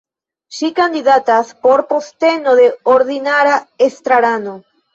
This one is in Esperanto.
Ŝi kandidatas por posteno de ordinara estrarano.